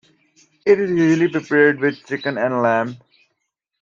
It is usually prepared with chicken or lamb.